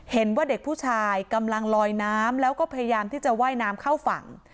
เห็นว่าเด็กผู้ชายกำลังลอยน้ำแล้วก็พยายามที่จะว่ายน้ำเข้าฝั่ง